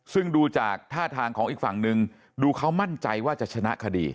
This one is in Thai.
ซึ่งดูจากท่าทางของอีกฝั่งนึงดูเขามั่นใจว่าจะชนะคดี